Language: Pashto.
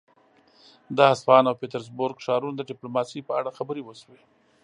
د اصفهان او پيترزبورګ ښارونو د ډيپلوماسي په اړه خبرې وشوې.